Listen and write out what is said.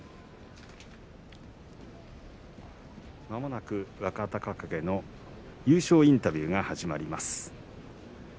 まもなく若隆景の優勝インタビューが始まります。